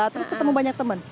terus ketemu banyak temen